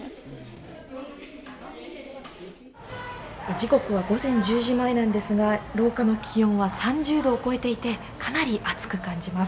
時刻は午前１０時前なんですが廊下の気温は３０℃を超えていてかなり暑く感じます。